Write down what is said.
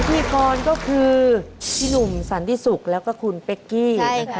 อุพิกรก็คือนุ่มสันธิสุกษ์แล้วก็คุณเป๊กกี้